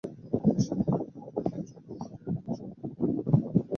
বিশ্বপ্রকৃতি যে-কোন মুহূর্তে আমাদিগকে চূর্ণ করিয়া আমাদের সত্তার বিলোপ ঘটাইতে পারে।